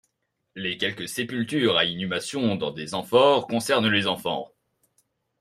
Les quelques sépultures à inhumation dans des amphores concernent les enfants.